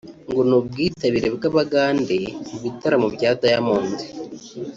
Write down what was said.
ngo ni ubwitabire bw’abagande mu bitaramo bya Diamond